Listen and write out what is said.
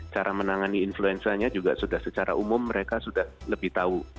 cara menangani influenzanya juga sudah secara umum mereka sudah lebih tahu